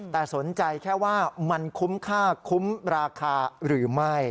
แต่สนใจแค่ว่ามันคุ้มค่าคุ้มราคาหรือไม่